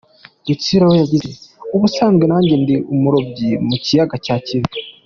Rutsiro we yagize ati :” ubusanzwe nanjye ndi umurobyi mu kiyaga cya Kivu.